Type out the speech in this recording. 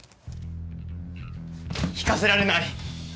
行かせられない！